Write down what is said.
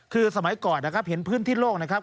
คือสมัยก่อนนะครับเห็นพื้นที่โลกนะครับ